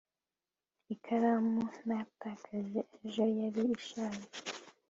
ikaramu natakaje ejo yari ishaje